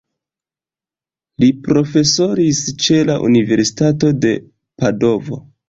Li profesoris ĉe la universitato de Padovo.